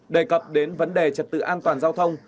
đề cập đến vấn đề trật tự an toàn giao thông